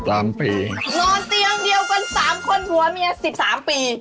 นอนเตียงเดียวกันสามคนหัวเมีย๑๓ปี